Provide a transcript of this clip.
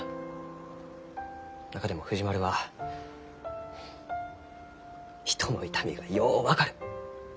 中でも藤丸は人の痛みがよう分かる。